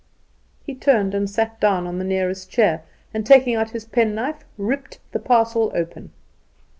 He turned and sat down on the nearest chair, and, taking out his pen knife, ripped the parcel open.